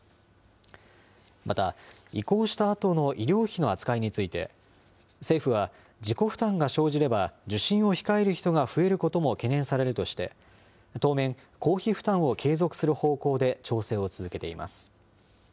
また、移行したあとの医療費の扱いについて、政府は、自己負担が生じれば受診を控える人が増えることも懸念されるとして、当面、公費負担を継続する方向で調整を続けています。